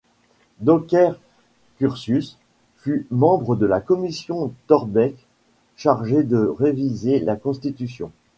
Donker Curtius fut membre de la commission Thorbecke, chargée de réviser la constitution.